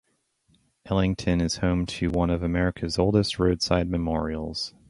Ellington is home to one of America's oldest roadside memorials.